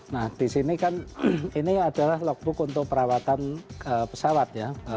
nah di sini kan ini adalah logbook untuk perawatan pesawat ya